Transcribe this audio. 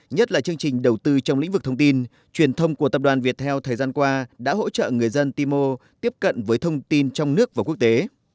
nhất là chương trình đầu tư trong lĩnh vực thông tin truyền thông của tập đoàn viettel thời gian qua đã hỗ trợ người dân timor tiếp cận với thông tin trong nước và quốc tế